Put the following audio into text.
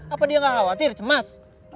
apa dia nggak khawatir cemas